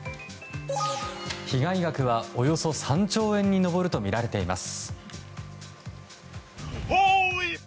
被害額は、およそ３兆円に上るとみられています。